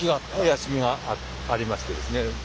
屋敷がありましてですね。